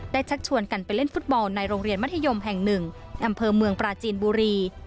ชักชวนกันไปเล่นฟุตบอลในโรงเรียนมัธยมแห่งหนึ่งอำเภอเมืองปราจีนบุรี